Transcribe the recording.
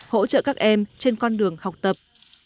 hỗ trợ các em trên con đường học tập